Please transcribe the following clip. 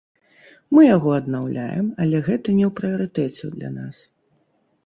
Мы яго аднаўляем, але гэта не ў прыярытэце для нас.